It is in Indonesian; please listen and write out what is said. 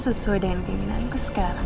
sesuai dengan keinginanku sekarang